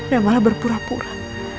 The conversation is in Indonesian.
yang malah berpura pura